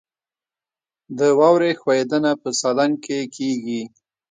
د واورې ښویدنه په سالنګ کې کیږي